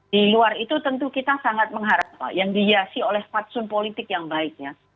di luar itu tentu kita sangat mengharapkan yang dihiasi oleh faksun politik yang baiknya